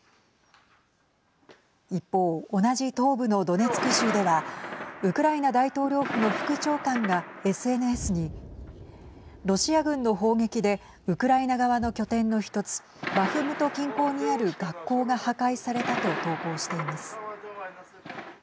一方同じ東部のドネツク州ではウクライナ大統領府の副長官がＳＮＳにロシア軍の砲撃でウクライナ側の拠点の１つバフムト近郊にある学校が破壊されたと投稿しています。